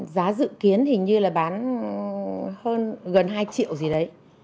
giá dự kiến hình như là bán hơn gần hai triệu gì đấy